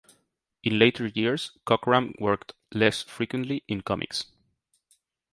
In later years, Cockrum worked less frequently in comics.